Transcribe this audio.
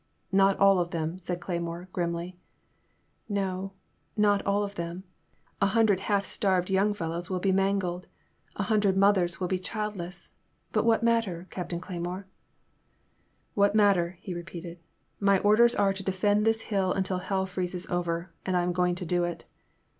'Not all of them,*' said Cle3rmore, grimly. No — ^not all of them — a hundred half starved young fellows will be mangled — ^a hundred moth ers will be childless — ^but what matter, Captain Cleymore? *'What matter, he repeated, —'* my orders are to defend this hill until hell freezes over, and I am going to do it."